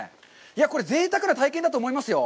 これぜいたくな体験だと思いますよ。